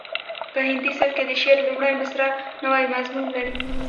په هندي سبک کې د شعر لومړۍ مسره نوی مضمون لري